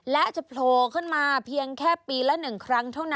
และจะโผล่ขึ้นมาเพียงแค่ปีละ๑ครั้งเท่านั้น